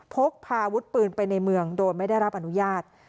พกพาอาวุธปืนไปในเมืองโดยไม่ได้รับอนุญาต